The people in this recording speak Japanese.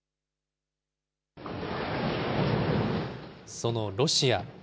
そのロシア。